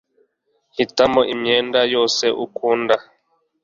hitamo imyenda yose ukunda